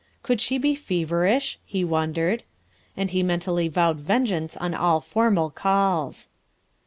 Could she be feverish ? he wondered. And he mentally vowed vengeance on all formal calls.